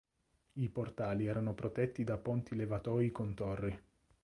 I portali erano protetti da ponti levatoi con torri.